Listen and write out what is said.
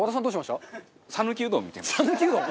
讃岐うどん？